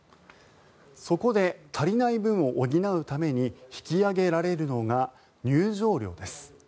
そこで足りない分を補うために引き上げられるのが入場料です。